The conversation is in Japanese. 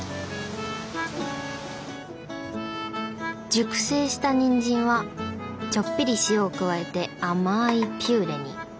熟成したニンジンはちょっぴり塩を加えて甘いピューレに。